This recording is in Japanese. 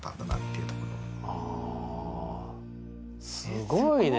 すごいね。